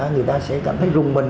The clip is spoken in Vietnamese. người ta sẽ cảm thấy rùng mình